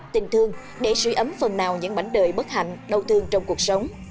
tình thương để suy ấm phần nào những mảnh đời bất hạnh đau thương trong cuộc sống